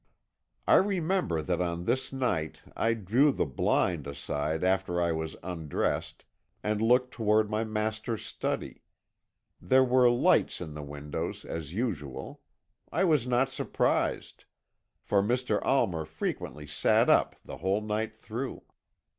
"I remember that on this night I drew the blind aside after I was undressed, and looked toward my master's study. There were lights in the windows, as usual. I was not surprised, for Mr. Almer frequently sat up the whole night through.